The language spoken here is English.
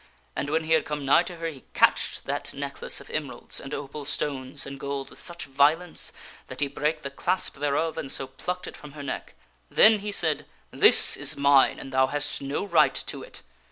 And when he had come nigh to her he catched that necklace of emeralds and opal stones and gold with such violence that he brake the clasp thereof and so plucked it from her neck. Then he said, " This is mine and thou hast no right to it